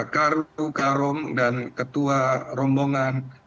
karu karom dan ketua rombongan